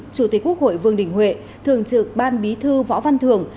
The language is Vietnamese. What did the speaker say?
chủ tịch quốc hội vương đình huệ thường trực ban bí thư võ văn thường